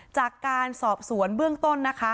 จากการสอบสวนเบื้องต้นนะคะ